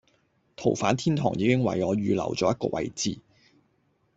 逃犯天堂已經為我預留咗一個位置